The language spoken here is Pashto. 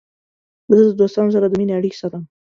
زه د دوستانو سره د مینې اړیکې ساتم.